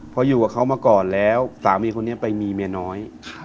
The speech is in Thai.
พออยู่กับเขามาก่อนแล้วสามีคนนี้ไปมีเมียน้อย